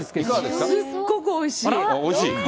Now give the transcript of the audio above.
すっごくおいしい。